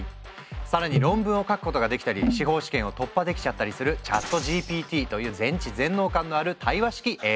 更に論文を書くことができたり司法試験を突破できちゃったりするＣｈａｔＧＰＴという全知全能感のある対話式ＡＩ。